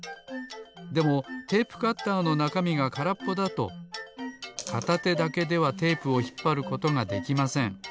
でもテープカッターのなかみがからっぽだとかたてだけではテープをひっぱることができません。